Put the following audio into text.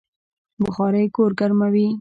بخارۍ کور ګرموي